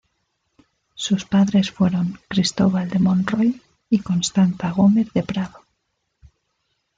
Sus padres fueron Cristóbal de Monroy y Constanza Gómez de Prado.